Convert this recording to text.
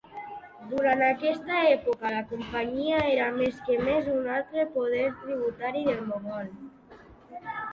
Durant aquesta època la Companyia era més que més un altre poder tributari del mogol.